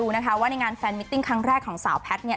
ในงานแฟนมิตติ้งครั้งแรกของสาวแพทตี้